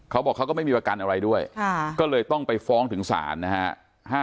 เขาบอกเขาก็ไม่มีประกันอะไรด้วยก็เลยต้องไปฟ้องถึงศาลนะฮะ